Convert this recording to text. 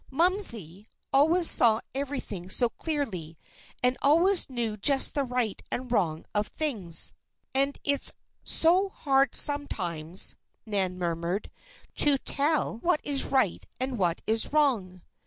"Momsey" always saw everything so clearly, and always knew just the right and wrong of things. "And it's so hard sometimes," Nan murmured, "to tell what is right and what is wrong!"